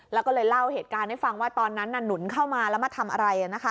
แล้วก็เลยเล่าเหตุการณ์ให้ฟังว่าตอนนั้นหนุนเข้ามาแล้วมาทำอะไร